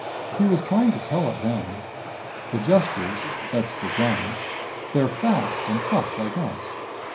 He was trying to tell it then. The Jesters that's the giants they're fast and tough like us.